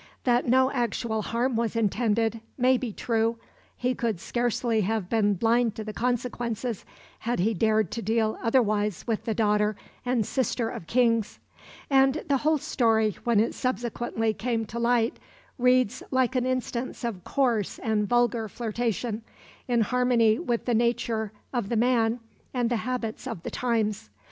That no actual harm was intended may be true he could scarcely have been blind to the consequences had he dared to deal otherwise with the daughter and sister of Kings; and the whole story, when it subsequently came to light, reads like an instance of coarse and vulgar flirtation, in harmony with the nature of the man and the habits of the times.